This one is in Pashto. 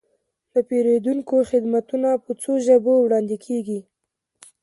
د پیرودونکو خدمتونه په څو ژبو وړاندې کیږي.